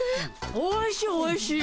おいしいおいしい。